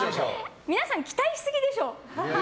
皆さん期待しすぎでしょ。